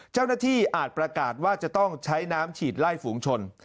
เจ้าหน้าที่อาจประกาศว่าจะต้องใช้น้ำฉีดไล่ฝูงชน